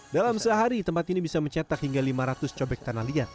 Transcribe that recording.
dalam sehari tempat ini bisa mencetak hingga lima ratus cobek tanah liat